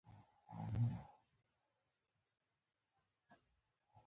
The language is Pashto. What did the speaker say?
دا هڅه یې د هندوستان او افغانستان په خلکو کې وکړه.